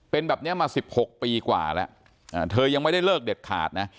เป็นแบบนี้มา๑๖ปีกว่าแล้วเธอยังไม่ได้เลิกเด็ดขาดนะ